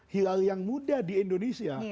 hilal yang muda di indonesia